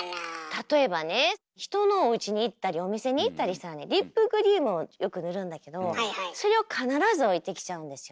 例えばね人のおうちに行ったりお店に行ったりしたらねリップクリームをよく塗るんだけどそれを必ず置いてきちゃうんですよ。